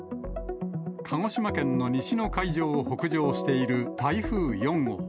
鹿児島県の西の海上を北上している台風４号。